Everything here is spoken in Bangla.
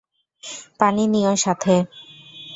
পানি নিয়ো সাথে।